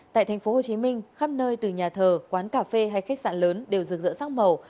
tại tp hcm khắp nơi từ nhà thờ quán cà phê hay khách sạn lớn đều rực rỡ sắc màu